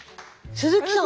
鈴木さん。